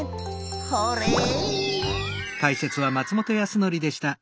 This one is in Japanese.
ホーレイ！